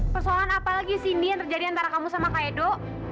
persoalan apa lagi sindi yang terjadi antara kamu sama kaido